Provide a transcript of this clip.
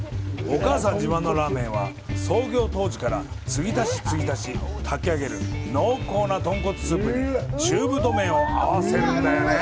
お母さん自慢のラーメンは創業当時から継ぎ足し継ぎ足し炊き上げる濃厚な豚骨スープに中太麺を合わせるんだよね。